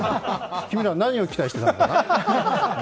君ら、何を期待してたのかな